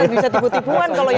bisa tipe tipuan kalau yang itu